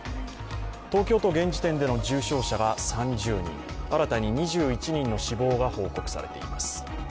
東京都現時点での重症者が３０人新たに２１人の死亡が報告されています。